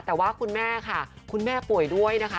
แต่ว่าคุณแม่ค่ะคุณแม่ป่วยด้วยนะคะ